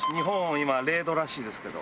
今０℃らしいですけど。